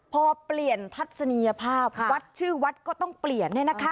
พอเปลี่ยนทัศนีภาพค่ะวัดชื่อวัดก็ต้องเปลี่ยนให้นะคะ